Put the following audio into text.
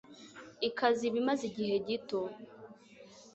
ikaziba imaze igihe gito